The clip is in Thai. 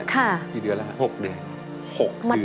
๖เดือน